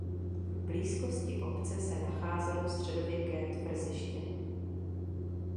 V blízkosti obce se nacházelo středověké tvrziště.